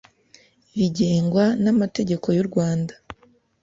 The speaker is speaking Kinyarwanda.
bigengwa n amategeko y u Rwanda